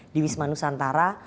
di wisma nusantara